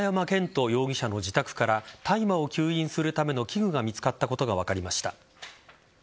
俳優の永山絢斗容疑者の自宅から大麻を吸引するための器具が見つかったことが分かりました。